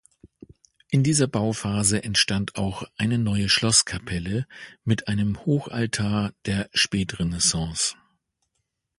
In dieser Bauphase entstand auch eine neue Schlosskapelle mit einem Hochaltar der Spätrenaissance.